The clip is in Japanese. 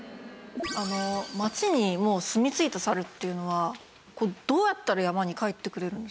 街にもうすみ着いたサルっていうのはどうやったら山に帰ってくれるんですか？